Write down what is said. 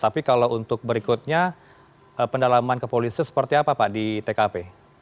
tapi kalau untuk berikutnya pendalaman kepolisian seperti apa pak di tkp